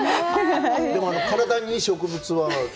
でも体にいい植物は。